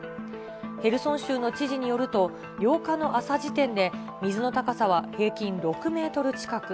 ヘルソン州の知事によると、８日の朝時点で、水の高さは平均６メートル近く。